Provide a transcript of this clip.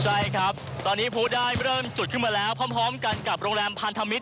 ใช่ครับตอนนี้ผู้ได้เริ่มจุดขึ้นมาแล้วพร้อมกันกับโรงแรมพันธมิตร